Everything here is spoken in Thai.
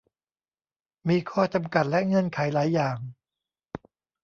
มีข้อจำกัดและเงื่อนไขหลายอย่าง